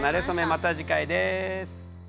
また次回です。